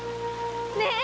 ねえ？